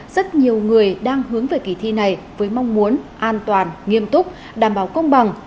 rất nhiều người đang hướng về kỳ thi này với mong muốn an toàn nghiêm túc đảm bảo công bằng